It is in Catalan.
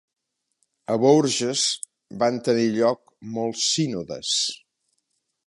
A Bourges van tenir lloc molts sínodes.